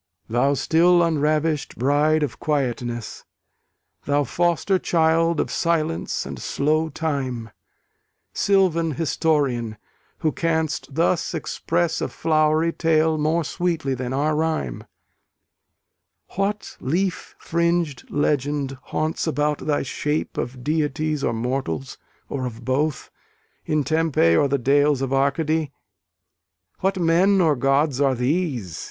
Thou still unravish'd bride of quietness, Thou foster child of Silence and slow Time, Sylvan historian, who canst thus express A flowery tale more sweetly than our rhyme: What leaf fring'd legend haunts about thy shape Of deities or mortals, or of both, In Tempe or the dales of Arcady? What men or gods are these?